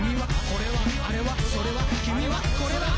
「これはあれはそれはこれは」